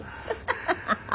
ハハハハ！